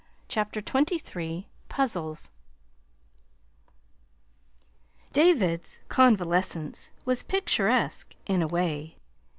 CHAPTER XXIII PUZZLES David's convalescence was picturesque, in a way.